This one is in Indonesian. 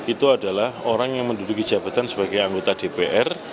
itu adalah orang yang menduduki jabatan sebagai anggota dpr